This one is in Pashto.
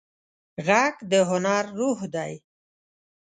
غږ د هنر روح دی